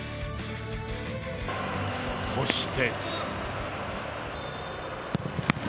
そして。